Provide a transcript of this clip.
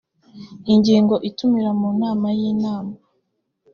ingingo itumira mu nama y inama